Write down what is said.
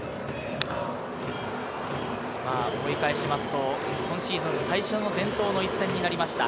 思い返しますと、今シーズン最初の伝統の一戦になりました